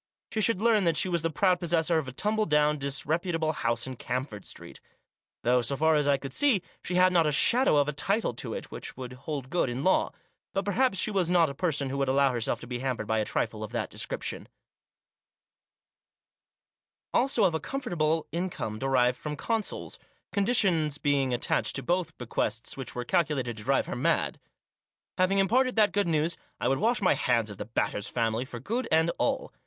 She should learn that she was the proud possessor of a tumble down, disreputable house in Camford Street ; though, so far as I could see, she had not a shadow of a title to it which would hold good in law ; but perhaps she was not a person who would allow herself to be hampered by a trifle of that description ; also of a comfortable income derived from consols — conditions being attached to both bequests which were calculated to drive her mad. Having imparted that good news, I would wash my hands of the Batters' family for good and all.